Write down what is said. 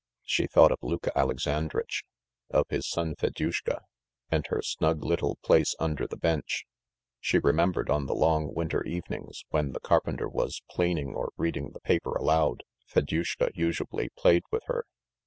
She thought of Luka Alexandritch, of his son Fedyushka, and her snug little place under the bench. ... She remembered on the long winter evenings, when the carpenter was planing or reading the paper aloud, Fedyushka usually played with her.